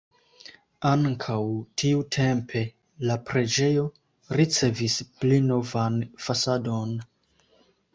Ankaŭ tiutempe la preĝejo ricevis pli novan fasadon.